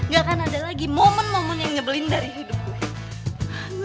gak akan ada lagi momen momen yang nyebelin dari hidup gue